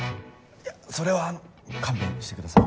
それはあの勘弁してください。